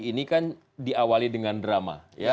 ini kan diawali dengan drama